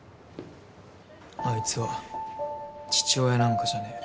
あいつは父親なんかじゃねぇ。